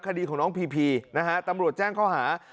คดีของน้องพีพีนะฮะตำรวจแจ้งข้อหา